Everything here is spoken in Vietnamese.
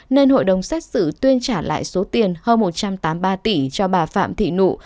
nên hội đồng xét xử tuyên trả lại số tiền hơn một trăm tám mươi ba tỷ cho bà phạm thị nụ